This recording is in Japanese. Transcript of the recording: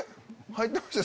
入ってました？